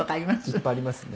「いっぱいありますね」